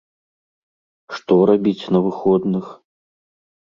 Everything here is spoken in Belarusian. Што рабіць на выходных?